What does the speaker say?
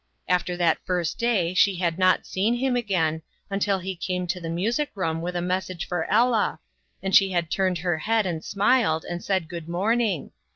After that first day she had not seen him again, until he came to the music room with a message for Ella, and she had turned her head and smiled, and said "Good morning!"